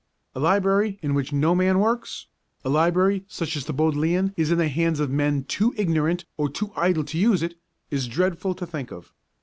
A library in which no man works a library such as the Bodleian is in the hands of men too ignorant or too idle to use it is dreadful to think of.